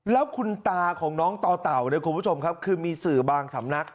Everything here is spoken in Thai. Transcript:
แล้วคุณตาของน้องต่อเต่าเนี่ยคุณผู้ชมครับคือมีสื่อบางสำนัก